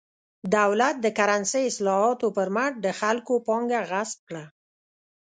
دولت د کرنسۍ اصلاحاتو پر مټ د خلکو پانګه غصب کړه.